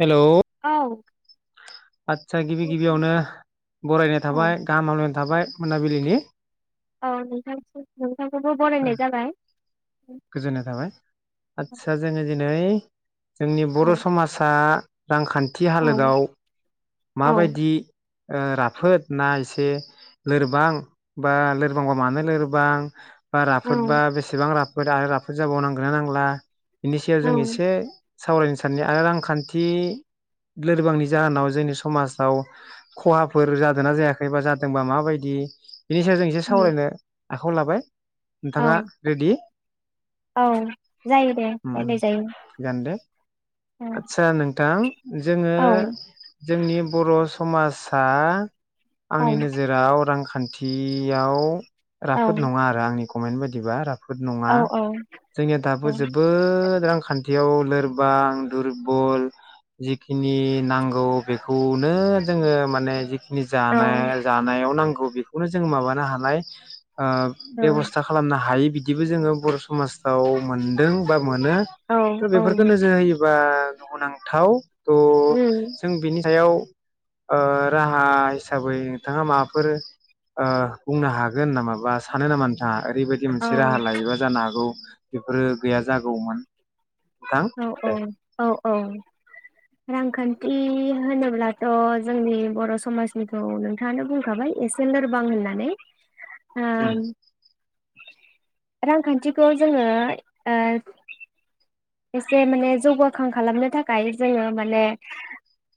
हेल औ आदसा गिबि गिबियावनो बरायनाय औ थाबाय गाहाम हामलायनाय थाबाय मोनाबिलिनि औ नोंथां नोंथांखौबो बरायनाय जाबाय गोजोननाय थाबाय आदसा जोङो दि नै जोंनि औ बर समाजा रांखान्थि औ हालोदाव औ माबायदि ओ राफोद ना एसे लोरबां बा लोरबां मानो लोरबां बा राफोद बा बेसेबां राफ राफोद जाबाव नांगोन ना नांला इनिसाव औ जों एसे सावरायनो साननाय आरो रांखान्थि लोरबांनि जाहोनाव जोंनि स समाजाव खहाफोर जादों ना जायाखै बा जादोंबा माबायदि बिनि सायाव जों एसे सावरायनो आखायाव लाबाय औ नोंथाङा रेडि औ जायो दे रायलाय जायो । आत्सा नोंथां जोङो औ जोंनि बर समासा औ आंनि नोजोराव रांखा खान्थियाव औ राफोद नङा आरो आंनि ख कमेन्ट बादिबा राब फोर औ नङा औ जोंनिया दाबो जोबोद रांखान्थियाव लोरबां दुरबल जिखिनि नांगौ । बेखौनो जोङो माने जिख नि औ जानो जानायाव नांगौ । बेखौनो जों माबानो हानाय ओ बेबस्था खालामनो हायि बिदिबो जोङो बर समाजाव मोनदों बा मोनो थ बेफोरखौ नोजोर होयोबा दुखुनांथाव । उम । जों बिनि सायाव ओ राहा हिसाबै नोंथाङा माबाफोर ओ बुंनो हागोन नामा बा सानो नामा नोंथाङा? ओरैबायदि औ मोनसे राहा लायोबा जानो हागौ बेफोरो गैया जागौमोन । औ औ औ औ । रांखान्थि होनोब्लाथ जोंनि बर समाजनिखौ नोंथाङानो बुंखाबाय एसे लोरबां होननानै । उम । रांखान्थिखौ जोङो ओ एसे माने जौगाखां खालामनो थाखाय जोङो माने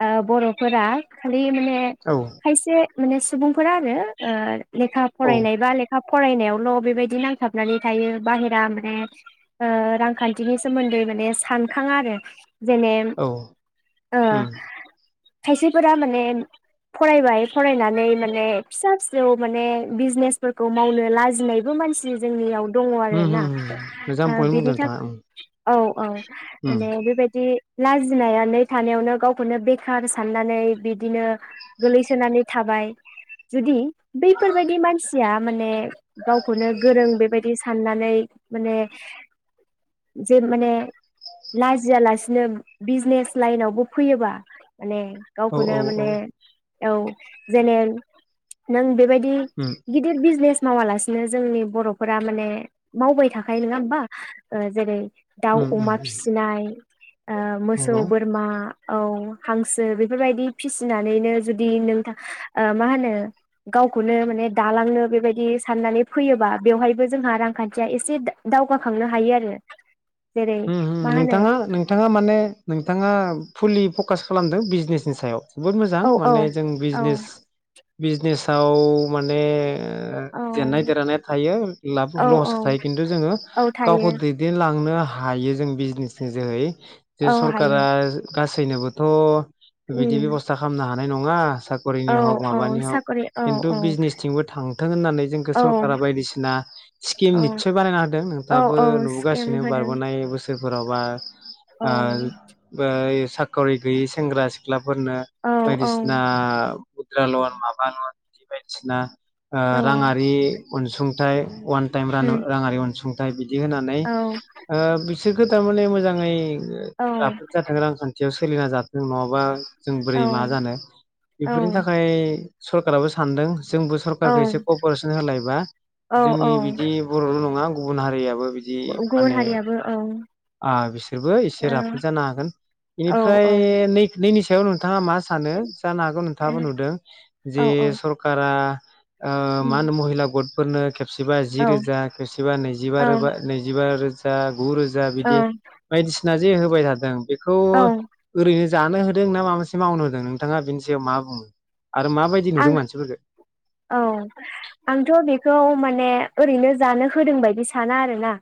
ओ बरफोरा [unintelligible] औ खायसे माने सुबुंफोरा आरो ओ । लेखा औ फरायनाय बा लेखाब फरायनायावल बेबायदि नांथाबनानै थायो बाहेरा माने ओ रांखान्थिनि - सोमोन्दै माने सानखाङा आरो जेने औ ओ उम खायसेफोरा माने फरायबाय फरायनानै माने फिसा फिसौ माने बिजनेसफोरखौ मावनो लाजिनायबो मानसि जोंनियाव दङ उ आरो उ ना उ मोजां ओ फइन्ट बुंदों बेनि थाखाय नोंथांआ उम । औ औ । माने बेबायदि लाजिनानै थानायावनो गावखौनो बेखार साननानै बिदिनो गोलैसोनानै थाबाय जुदि बैफोरबायदि मानसिया माने गावखौनो गोरों बेबायदि साननानै माने जे माने लाजिया लासिनो बिजनेस लाइनावबो फैयोबा माने औ गावखौनो औ औ माने औ जेने नों बेबाय दि उम गिदिर बिजनेस मावालासिनो जोंनि बर'फोरा माने मावबाय थाखायो नङा होमबा ओ जेरै दाउ उम उम अमा फिसिनाय ओ मोसौ नंगौ बोरमा औ हांसो बेफोरबायदि फिसिनानैनो जुदि नोंथां ओ मा होनो गावखौनो माने दालांनो बेबायदि साननानै फैयोबा बेवहायबो जोंहा रांखान्थिया एसे दा-दावगाखांनो हायो आरो। जेरै उम हो मा हो होनो नोंथाङा नोंथाङा माने नोंथाङा फुलि फकास खालामदों बिजनेसनि सायाव। जोबोद मोजां औ औ माने जों औ बिजनेस बिजनेसाव माने ओ जेननाय औ देरहानाय थायो लाफ औ औ लस थायो खिन्थु जोङो औ गावखौ थायो दैदेनलांनो हा हायो जों बिजनेस नि जोहै जे औ हायो सरखारा गासैनोबोथ' बिदि उम बेबस्था खामना हा नाय नङा औ साखरिनि हग औ माबानि हग साखरि औ खिन्थु औ बिजनेसथिंबो थांथों होननानै जोंखौ औ सरकारा बायदिसिना स्किम औ निस्सय बानायना होदों औ नोंथाबो औ स्केम नुबोगासिनो होदों बारबोनाय बोसो बेफोरावबा औ आ बै साखरि गैयै सेंग्रा सिख्लाफोरनो औ औ बायदिसिना मुद्रा लन माबा लन बिदि बायदिसिना ओ औ राङारि अनसुंथाइ अन [unintelligible] रानु उम राङारि अनसुं दायबिद दि होनानै औ ओ बिसोरखौ थारमाने मोजाङै ओ औ राफोद जाथों रांखान्थि थियाव सोलिना जाथों नङाबा जों औ बोरै मा जानो बेफोरनि थाखाय सरकाराबो सान्दों जोंबो औ सरखारारखौ एसे कपारेसन होलायबा औ जोंनि औ बिदि बर'ल' नङा गुबुन हारियाबो बिदि गुबुन माने हारियाबो औ। ओ बिसोरबो एसे औ राफोद जानो हागोन औ इनिफ्राय औ नै-नैनि नोंथाङा मा सा सानो जानो हागौ औ नोंथाङाबो नुदों जे सरखारा ओ मा होनो महिला गद फोरनो खेबसेबा जि रोजा खेबसेबा नैजिबा रोबा नैजिबा रो बा गु रोजा दि आं बायदिसिना जि होबाय थादों बेखौ ओरैनो जानो होदों ना माबा मोनसे मावनो होदों नोंथाङा बिनि सायाव मा बुङो। आरो माबायदि नुदों आं मानसिफोरखौ औ आंथ बेखौ माने ओरैनो जानो होदों बायदि साना आरो ना।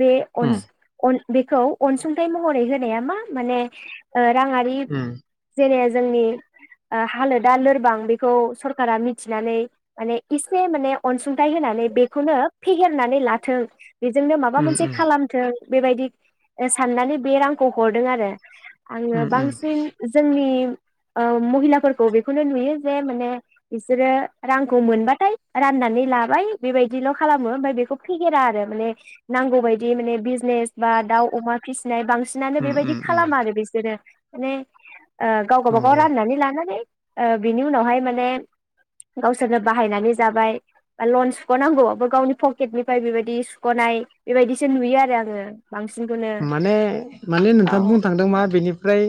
बे अनस अन बेखौ अनसुं थाइ महरै होनाया मा माने ओ राङारि उम जेरै जोंनि हालोदा लोरबां बे बेखौ सरकारा मिथिनानै माने एसे माने अनसुंथाइ होनानै बेखौनो फेहेरनानै लाथों बेजोंनो माबा उम मोनसे खालामथों बेबायदि साननानै बे रांखौ हरदों आरो। आङो उम उम बांसिन जोंनि ओ महिलाफोरखौ बेखौनो नुयो जे माने बिसोरो रांखौ मोनबाथाय राननानै लाबाय बेबायदिल खालामो आमफ्राय बेखौ फेहेरा आरो माने नांगौ बायदि माने बिजनेस बा दाउ-अमा फिसिनाय बां बांसिनानो उम बेबायदि उम उम खालामा आरो बिसोरो। माने ओ गाव गाबागाव नंगौ राननानै लानानै ओ बेनि उनावहाय माने गावसोरनो बाहायनानै जाबाय बा लन सुखनांगौबाबो गावनि पकेटनिफ्राय बेबायदि सुखनाय बेबायदिसो नुयो आरो आङो बांसिनखौनो माने माने औ नोंथाङा बुंनो थांदों मा बेनि फ्राय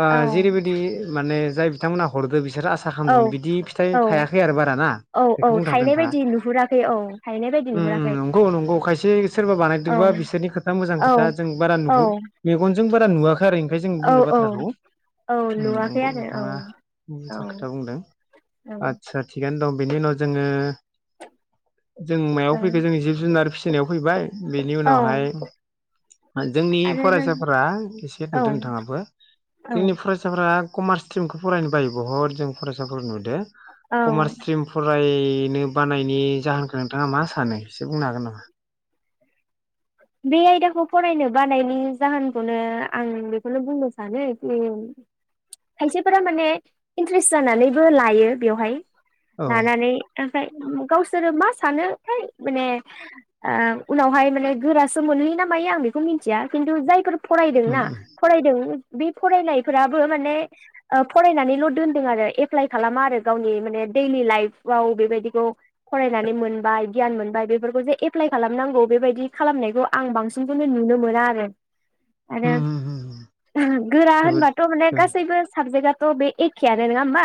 ओ औ जेरैबायदि माने जाय बिथांमोना हरदों बि सोर आसा खालामदोंमोन औ बिदि फिथाइ थायाखै आरो बारा ना औ औ बेखौ बुंनो थांदों थायनाय नोंथाङा। बायदि नुहुराखै औ थायनाय बायदि उम नुहुराखै नंगौ नंगौ खायसे सोरबा औ बानायदोंबा बिसोरनि खोथा मोजां खो औ जों बारा औ नुहुर मेगनजों बारा नुवाखै आरो ओमफ्राय जों औ बुंदों औ बाथ्राखौ औ उम नुवाखै नंगौ आरो औ नोंथाङा मोजां औ खोथा बुंदों औ आदसा थिगानो दं। बिनि उनाव जोङो जों मायाव फैखो जोंनि जिब जुनार फिसि नायाव फैबाय बेनि औ उनावहाय जोंनि आरो जों फरायसाफोरा एसे औ नुदों थाङाबो औ जोंनि फरायसाफोरा कमार्स स्ट्रिमखौ फरायनो बायो बहुत जों फरायसाफोर नुहु दों औ कमार्स स्ट्रिम फराय बेनो बानायनि जाहोनखौ नोंथाङा मा सानो एसे बुंनो हागोन नामा? बे आयदाखौ फरायनो बानायनि जाहोनखौनो आं बेखौनो बुंनो सानो जे खायसेफोरा माने इन्ट्रेस्ट जानानैबो लायो बेवहाय औ लानानै गावसोरो मा सानोथाय उनावहाय माने गोरा सो मोनहैयो ना मायो आं बेखौ मिथिया खिन्थु जायफोर उम फरायदोंना उम फरायदों बे फरायनायफोराबो माने फरायनानैल दोनदों आरो एप्लाइ खालामा आरो गावनि माने देइलि लाइफआव बेबायदिखौ फरायनानै मोनबाय गियान मोनबाय बेफोरखौ जे एप्लााय खालामनांगौ बेबायदि खालामनाय बेखौ आं बांसिनखौनो नुनो मोना आरो आरो उम उम उम उम [unintelligible] गोरा जोबोद होनबाथ माने गासैबो साबजेक्टआ थ बे एखेयानो नङा होमबा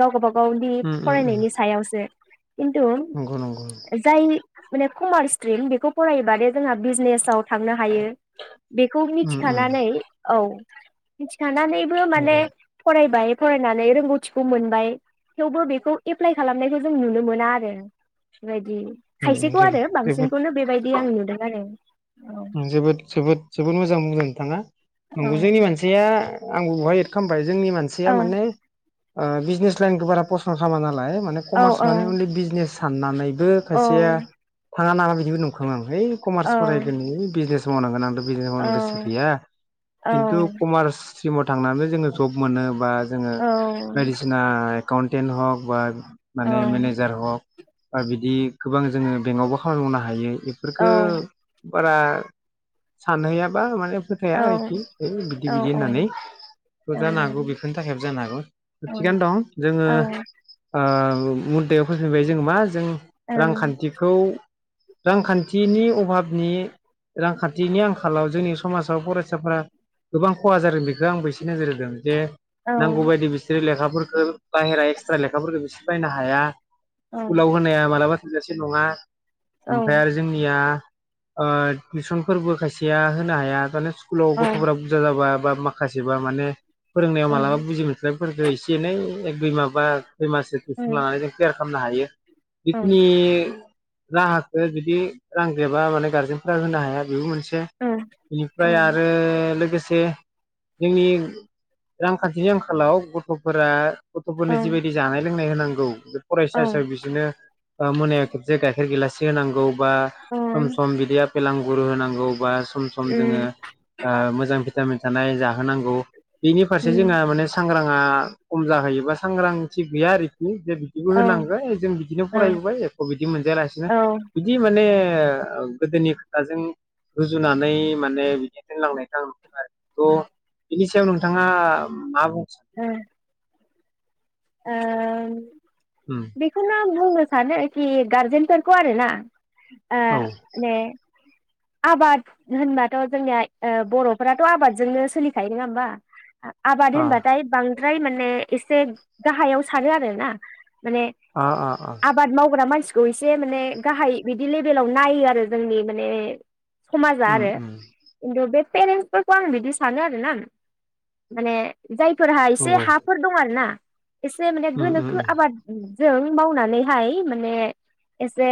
गावबा गाव गावनि उम उम उम फरायनायनि सायावसो। खिन्थु नंगौ नंगौ जाय माने कमार्स स्ट्रिम बेखौ फरायोबा दे जोंहा बिजनेसाव थांनो हायो बेखौ उम उम मिथिखानानै औ [inaudible] थानानैबो माने नंगौ फरायबाय फरायनानै रोंगौथिखौ मोनबाय थेवबो बेखौ एप्लाइ खालामनायखौ जों नुनो मोना आरो बेबायदि बि उम खायसेखौ जोबोद आरो बांसिनखौनो बेबायदि आं नुदों। औ जोबोद जोबोद जोबोद मोजां मोजां नोंथांङा औ नंगौ जोंनि मानसिया आं बहाय एद खामबाय जोंनि मानसिया माने ओ बिजनेस लाइनखौ बारा फसन खामा नालाय माने औ कमार्स माने अनलि बिजनेस साननानै बो खायसेया औ थाङा नामा बिदिबो नंखाङो आं है कमार्स फराय औ बिजनेसो मावनांगोन आं बिजनेस मावनो गोसो बेखौनो गैया खिन्थु कमार्स सिमाव थांनानै जोङो जब मोनो बा जोङो बायदिसिना एकाउन्टेन्ट हक बा माने मेनेजार हक ओ बिदि गोबां जोङो बेंकआवबो खामानि मावनो हायो इफोरखो बारा सानहैयाबा माने खोथाया आरोखि होय बिदि बिदि होननानै जानो हागौ बेफोरनि थाखायबो जानो हागौ थिगनो दं जोङो मुदायाव फैफिनबाय जोंङो मा जों रांखान्थिखौ रांखान्थिनि अभाब नि रांखान्थिनि आंखालाव जोंनि समाजाव फरायसाफोरा गोबां खहा जादों बेखौ आंबो एसे नोजोर होदों जे नांगौ बायदि बिसोरो लेखाफोर ओ बाहेरा एक्सट्रा लेखाफोरखोबो बिसोर बायनो हाया। स्कुलाव होनाया मालाबा थोजासे नङा ओमफ्राय आरो जोंनिया ओ टिउसनफोरबो खायसेया होनो हाया [unintelligible] स्कुलाव गथफोरा बुरजा जाबा बा मा खासेबा माने फोरोंनायाव मालाबा बुजि मोनस्लाबैफोखो बेफोरखौ एसे एनै एक दुइ माबा खै माससो टिउसन लानाय जों क्लियार खामनो हायो बिखिनि राहखो जुदि रांगै बा गारजेनफ्रा होनो हाया बेबो मोनसे बेनिफ्राय आरो लोगोसे जोंनि रांखान्थिनि आंखालाव गथ'फोरा गथ'फोरनो जिबायदि जानाय लोंनाय होनांगौ फरायसा हिसाबै बिदिनो मोनायाव खेबसे गाइखेर गिलाससे होनांगौ बा सम सम बिदिआ आपेल आंगुर होनांगौ बा सम सम जोंओ ओ मोजां फि भिटामिन थानाय जाहोनांगौ बेनि फारसे जोंहा माने सांग्रां जोंहा खम जाहैयोबा सांग्रांथि गैया आरोखि जे बिदिबो होनांगो जों बिदिनो फरायबोबाय एख बिदि मोनजायालासिनो बिदि माने ए। ओ गोदोनि खोथाजों रुजुनानै माने बिदि दोनलांनायखौ आं नुनो आरो थ बिनि सायाव नोंथाङा मा बुं उम। ओह उम बेखौ नो बुंनो सानो खि गारजेनफोरखौ आरो ना? आ औ ने आबाद होनबाथ' जोंनिया बर'फोराथ' आबादजोंनो सोलिखायो नङा होमबा आबाद आ होनबाथाय बां ओमफ्राय माने एसे गाहायाव सानो आरोना माने आ आ आ आबाद मावग्रा मानसिखौ एसे माने गाहाय बिदि लेबेलाव नायो आरो जोंनि माने समाजा उम आरो उम खिन्थु बे पेरेन्सफोरखौ आं बिदि सानो आरोना माने जायफोरहा एसे नंगौ हाफोर दङ आरोना। एसे माने उम उम गोनोखो उम आबाद जों मावनानैहाय माने एसे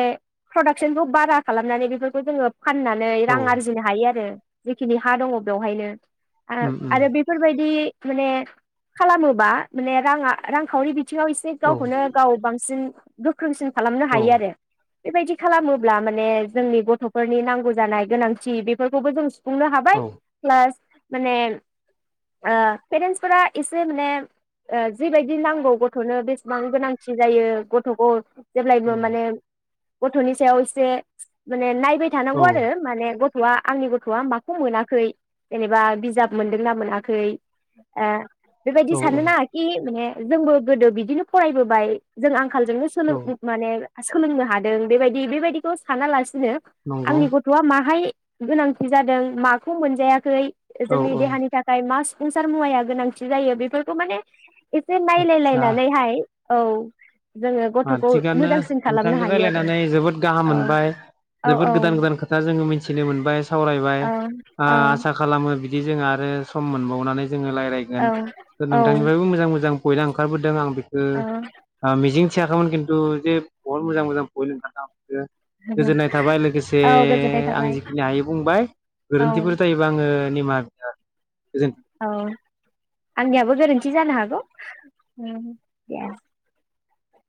प्रडाक्सनखौ बारा खालामनानै बेफोरखौ जोङो। फाननानै औ रां आरजिनो हायो आरो। जिखिनि हा दङ बेवहायनो। उम उम आरो बेफोरबायदि माने खालामोबा माने राङा रांखावरि बिथिङाव एसे औ गावखौनो गाव बांसिन गोख्रोंसिन खालामनो औ हायो आरो। बेबायदि खालामोब्ला माने जोंनि गथ फोरनि नांगौ जानाय गोनांथि बेफोरखौबो जों सुफुंनो हाबाय औ प्लास माने ओ पेरेन्सफोरा एसे माने ओ जिबायदि नांगौ गथनो बेसेबां गोनांथि जायो गथखौ जेब्लायबो माने गथनि सायाव एसे माने नायबाय थानांगौ औ आरो माने गथ आ आंनि गथआ माखौ मोनाखै जेनेबा बिजाब मोनदोंना मोनाखै बेबायदि औ साननो नाङाखि माने जोंबो गोदो बिदिनो फरायबोबाय जों आं आंखालजोंनो सोलों औ माने सोलोंनो हादों बेबायदि बेबायदिखौ सानालासि नो नंगौ आंनि गथआ माहाय गोनांथि जादों माखौ मोनजायाखै औ जोंनि औ देहानि थाखाय मा सुफुंसार मुवाया गोनांथि जायो बेफोरखौ माने एसे नायलायलायनानै हाय औ जोङो आं गथ'खौ थिगानो मोजांसिन खालामनो नोंथांजों हायो आरो रायज्लायनानै जोबोद गाहाम औ मोनबाय औ जोबोद औ गोदान [unintelligible] खोथा जोङो मिथिनो मोनबाय सावरायबाय औ आसा औ खालामो बि बि जों आरो सम मोनबावनानै जोङो राय्लायगोन औ औ नोंथांनिफ्रायबो मोजां मोजां गयला ओंखारबोदों आं बि ओ औ आं मिजिं [unintelligible] खिन्थु जे बहत मोजां मोजां पइन्ट ओंखार [unintelligible] गोजोननाय थाबाय लोगोसे औ गोजोननाय आं थाबाय जिखिनि हायो बुंबाय औ गोरोन्थिफोर जायोबा आङो निमाहा [unintelligible] औ आंनियाबो गोरोन्थि जानो हागौ। उम [unintelligible]